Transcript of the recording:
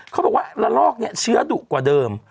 เขาบอกว่าระลอกเนี่ยเชื้อดุกว่าเดิม